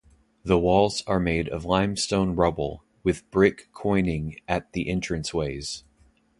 The walls are made of limestone rubble with brick quoining at the entrance ways.